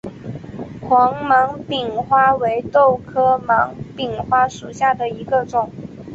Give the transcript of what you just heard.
黄芒柄花为豆科芒柄花属下的一个种。